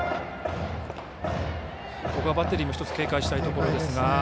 ここはバッテリーも１つ警戒したいところですが。